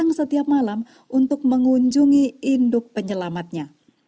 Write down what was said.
dan dia datang setiap malam untuk mengunjungi induk penyelamatnya